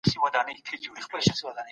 کمپيوټر پوهنه د وخت د ضایع کيدو مخه نیسي.